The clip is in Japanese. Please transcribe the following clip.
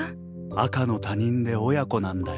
赤の他人で親子なんだよ。